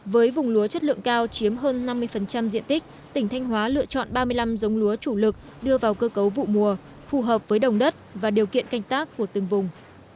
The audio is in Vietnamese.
với vùng lúa chất lượng cao chiếm hơn năm mươi diện tích tỉnh thanh hóa lựa chọn ba mươi năm giống lúa chủ lực đưa vào cơ cấu vụ mùa phù hợp với đồng đất và điều kiện canh tác của từng vùng